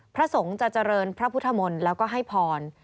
พระสงฆ์จะเจริญพระพุทธมนต์แล้วก็ให้พร